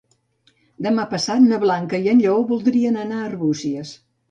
Demà passat na Blanca i en Lleó voldrien anar a Arbúcies.